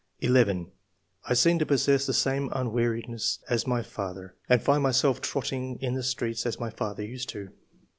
11. "I seem to possess the same unweariedness as my father, and find myself trotting in the streets as my father used to do.